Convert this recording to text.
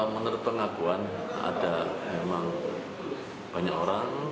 menurut pengakuan ada memang banyak orang